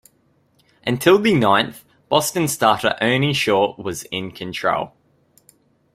Until the ninth, Boston starter Ernie Shore was in control.